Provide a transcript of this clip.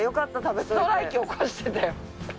ストライキ起こしてたよ。